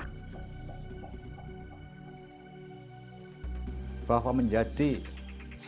tergolong senior sukirsun sudah membimbing banyak wayang